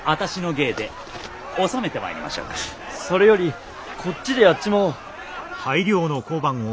それよりこっちでやっちまおう。